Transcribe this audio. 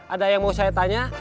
ada yang mau saya tanya